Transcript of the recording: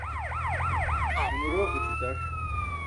Une rok aci taṣ.